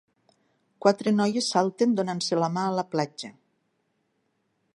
Quatre noies salten donant-se la mà a la platja.